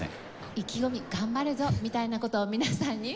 意気込み頑張るぞみたいな事を皆さんに。